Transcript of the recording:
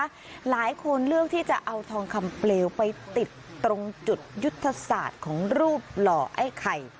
หลายคนเลือกที่จะเอาทองคำเปลวไปติดตรงจุดยุทธศาสตร์ของรูปหล่อไอ้ไข่